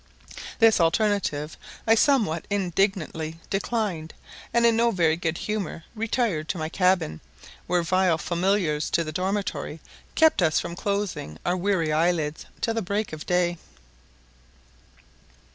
This alternative I somewhat indignantly declined, and in no very good humour retired to my cabin, where vile familiars to the dormitory kept us from closing our weary eye lids till the break of day.